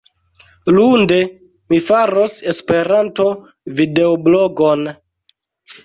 Lunde, mi faros Esperanto-videoblogon.